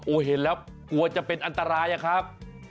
เห็นแล้วกลัวจะเป็นอันตรายอะครับ